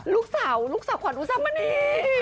ลูกสาวลูกสาวขวัญอุสามณี